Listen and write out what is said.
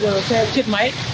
bây giờ xe chết máy